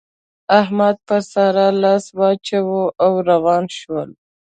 احمد پر سارا لاس واچاوو او روان شول.